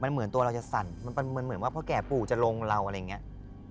เหมือนตัวเราจะสั่นเหมือนว่าพ่อแก่ปู่จะลงเราอะไรอย่างนี้